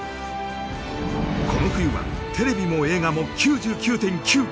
この冬はテレビも映画も「９９．９」